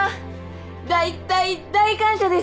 大大大感謝です